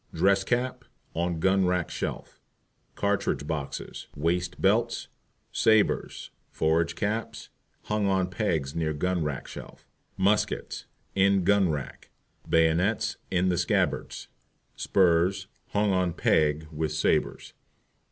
Dress Cap On gun rack shelf. Cartridge Boxes, Waist Belts, Sabres, Forage Caps Hung on pegs near gun rack shelf. Muskets In gun rack, Bayonets in the scabbards. Spurs Hung on peg with Sabres.